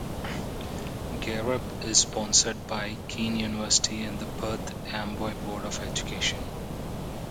Gear Up is sponsored by Kean University and the Perth Amboy Board of Education.